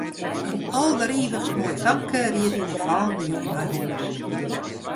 In alderivichst moai famke ried yn 'e fallende jûn nei hûs.